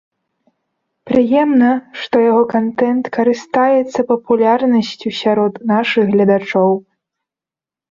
Прыемна, што яго кантэнт карыстаецца папулярнасцю сярод нашых гледачоў.